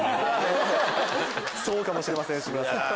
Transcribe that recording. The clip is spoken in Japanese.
そうかもしれません内村さん。